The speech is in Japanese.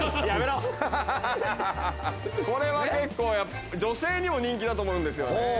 やめろ、これは結構、女性にも人気だと思うんですよね。